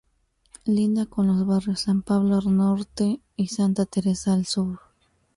Linda con los barrios San Pablo al norte y Santa Teresa al sur.